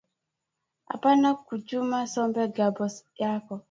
Apana ku chuma sombe ngambo yango